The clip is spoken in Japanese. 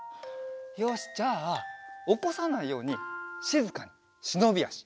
よしじゃあおこさないようにしずかにしのびあし。